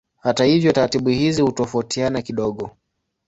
Hata hivyo taratibu hizi hutofautiana kidogo.